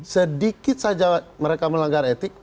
sedikit saja mereka melanggar etik